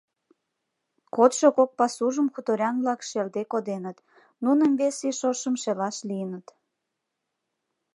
Кодшо кок пасужым хуторян-влак шелде коденыт, нуным вес ий шошым шелаш лийыныт.